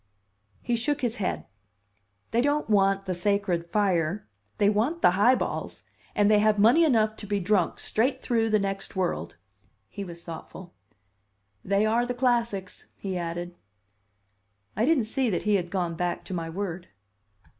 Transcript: He shook his head. "They don't want the sacred fire. They want the high balls and they have money enough to be drunk straight through the next world!" He was thoughtful. "They are the classics," he added. I didn't see that he had gone back to my word.